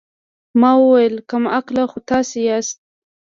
ما وويل کم عقله خو تاسې ياست.